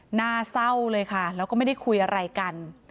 หน้าเศร้าเลยค่ะแล้วก็ไม่ได้คุยอะไรกัน